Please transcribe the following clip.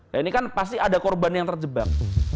nah ini kan pasti ada korban yang terjebak